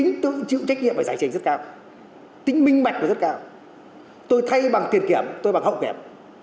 cái tính chịu trách nhiệm và giải trình rất cao tính minh mạch và rất cao tôi thay bằng tiền kiểm tôi bằng hậu kiểm